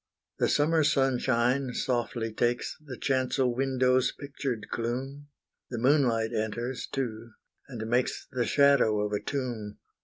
The summer sunshine softly takes The chancel window's pictured gloom; The moonlight enters too, and makes The shadow of a tomb.